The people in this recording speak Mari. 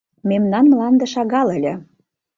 Мемнан мланде шагал ыле.